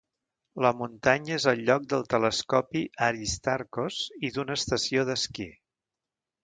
La muntanya és el lloc del telescopi Aristarchos i d'una estació d'esquí.